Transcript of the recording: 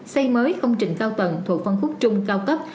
xây mới công trình cao tầng thuộc phân khúc trung cao cấp